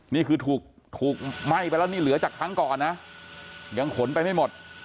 นี่คือถูกไหม้ไปแล้วนี่เหลือจากครั้งก่อนนะยังขนไปไม่หมด